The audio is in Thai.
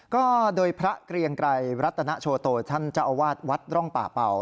ก็โดยพระเกรียงไกรรัตนโชโตท่านเจ้าอาวาสวัดร่องป่าเป่า